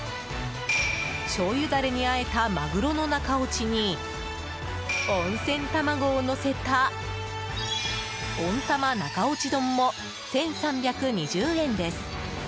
しょうゆダレにあえたマグロの中落ちに温泉卵をのせた温玉中おち丼も、１３２０円です。